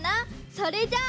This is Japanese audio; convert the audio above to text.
それじゃあ。